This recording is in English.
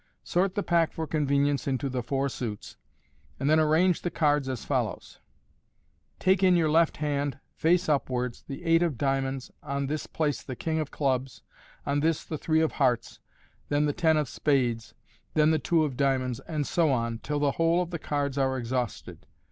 Sort the pack for convenience into the four suits, and then arrange the cards as follows : Take in your left hand>%/ace upwards, the eight of diamonds, on this place the king of clubs, on this the three of hearts, then the ten of spades, then the two ot diamonds, and so on, till the whole of the cards are exhausted.